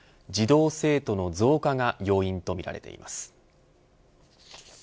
児童、生徒の増加が要因とみられています。